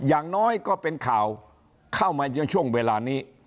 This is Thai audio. อย่างน้อยก็เป็นข่าวเข้ามาในช่วงเวลานี้